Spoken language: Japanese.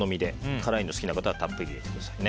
辛いのが好きな方はたっぷり入れてくださいね。